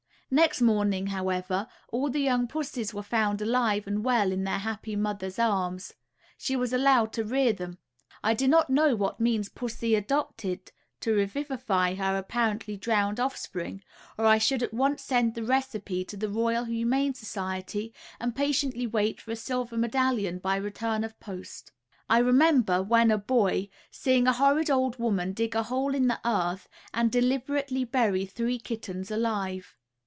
Next morning, however, all the young pussies were found alive and well in their happy mother's arms. She was allowed to rear them. I do not know what means pussy adopted to revivify her apparently drowned offspring, or I should at once send the recipe to the Royal Humane Society, and patiently wait for a silver medallion by return of post. I remember, when a boy, seeing a horrid old woman dig a hole in the earth and deliberately bury three kittens alive.